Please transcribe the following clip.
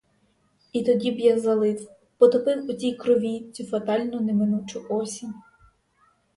І тоді б я залив, потопив у цій крові цю фатальну неминучу осінь.